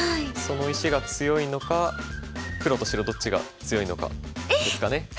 その石が強いのか黒と白どっちが強いのかですかね。